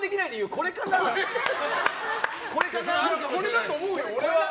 これだと思うよ、俺は。